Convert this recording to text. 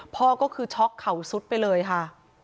พ่อก็คือช็อกเข่าซุดไปเลยค่ะ